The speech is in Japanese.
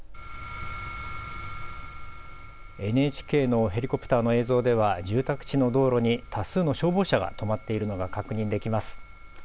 ＮＨＫのヘリコプターの映像では住宅地の道路に多数の消防車が止まっているのが確認できます。